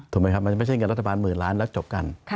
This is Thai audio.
ไหมครับมันจะไม่ใช่เงินรัฐบาลหมื่นล้านแล้วจบกัน